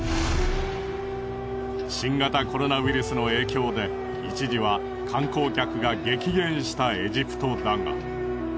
新型コロナウイルスの影響で一時は観光客が激減したエジプトだが。